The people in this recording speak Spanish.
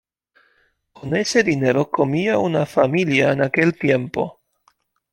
Con ese dinero comía una familia en aquel tiempo.